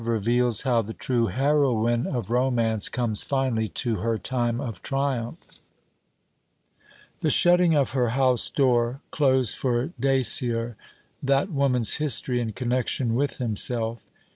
REVEALS HOW THE TRUE HEROINE OF ROMANCE COMES FINALLY TO HER, TIME OF TRIUMPH The shutting of her house door closed for Dacier that woman's history in connection with himself.